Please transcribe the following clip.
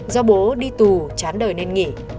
do bố đi tù chán đời nên nghỉ